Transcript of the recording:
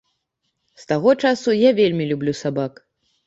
З таго часу я вельмі люблю сабак.